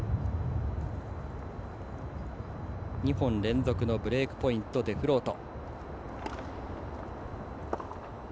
２本連続のブレークポイント、デフロート。